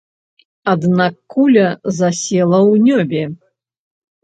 Аднак куля засела ў нёбе.